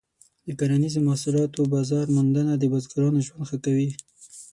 د کرنیزو محصولاتو بازار موندنه د بزګرانو ژوند ښه کوي.